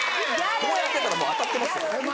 こうやってたらもう当たってますよ。